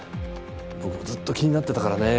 僕もずっと気になってたからね。